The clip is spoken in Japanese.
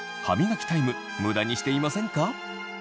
歯磨きタイム無駄にしていませんか？